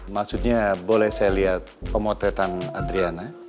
maksudnya boleh saya lihat pemotretan adriana